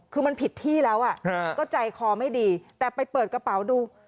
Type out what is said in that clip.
คือมันผิดที่แล้วก็ใจคอไม่ดีแต่ไปเปิดกระเป๋าดู